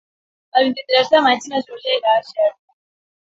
El vint-i-tres de maig na Júlia irà a Xerta.